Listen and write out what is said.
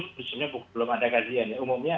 sebenarnya belum ada kajian ya umumnya